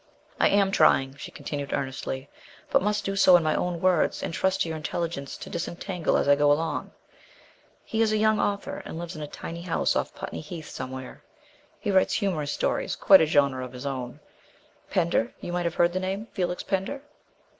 "I am trying," she continued earnestly, "but must do so in my own words and trust to your intelligence to disentangle as I go along. He is a young author, and lives in a tiny house off Putney Heath somewhere. He writes humorous stories quite a genre of his own: Pender you must have heard the name Felix Pender?